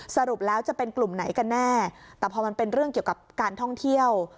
สรุปแล้วจะเป็นกลุ่มไหนกันแน่แต่พอมันเป็นเรื่องเกี่ยวกับการท่องเที่ยว